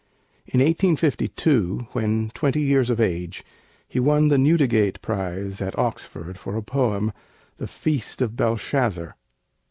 In 1852, when twenty years of age, he won the Newdigate Prize at Oxford for a poem, 'The Feast of Belshazzar.'